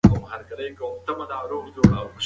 مڼه د وریښتانو روغتیا ته ګټوره ده.